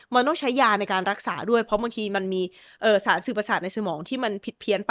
มันต้องใช้ยาในการรักษาด้วยเพราะบางทีมันมีสารสื่อประสาทในสมองที่มันผิดเพี้ยนไป